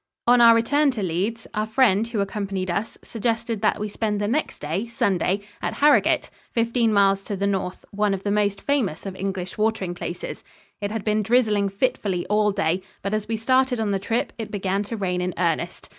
On our return to Leeds, our friend who accompanied us suggested that we spend the next day, Sunday, at Harrogate, fifteen miles to the north, one of the most famous of English watering places. It had been drizzling fitfully all day, but as we started on the trip, it began to rain in earnest.